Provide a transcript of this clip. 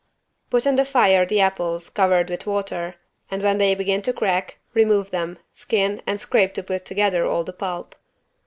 Put on the fire the apples covered with water, and when they begin to crack remove them, skin and scrape to put together all the pulp.